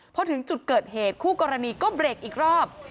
พอถึงจุดเกิดเหตุคู่กรณีก็เบรกอีกรอบ